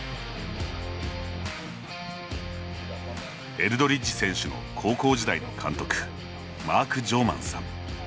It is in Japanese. エルドリッジ選手の高校時代の監督マーク・ジョーマンさん。